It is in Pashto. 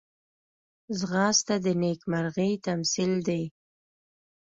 ځغاسته د نېکمرغۍ تمثیل دی